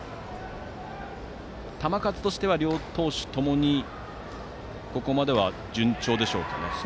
球数としては両投手ともにここまでは順調ですかね。